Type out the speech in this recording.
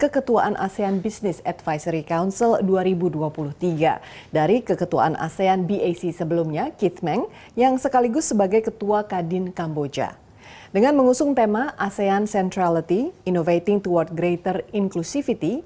ketua umum kadin indonesia arsyad rasid